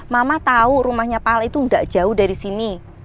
mama tahu rumahnya pak al itu nggak jauh dari sini